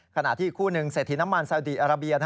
ขณะที่อีกคู่หนึ่งเศรษฐีน้ำมันซาวดีอาราเบีย